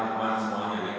wtp tidak boleh